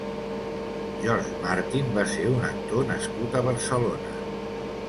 George Martin va ser un actor nascut a Barcelona.